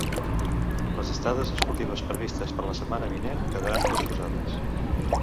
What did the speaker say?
Les estades esportives previstes per la setmana vinent quedaran postposades.